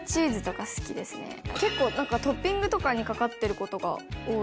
結構なんかトッピングとかにかかってる事が多い。